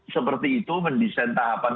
seperti itu mendesain tahapan